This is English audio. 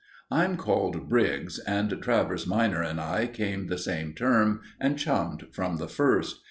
I'm called Briggs, and Travers minor and I came the same term and chummed from the first.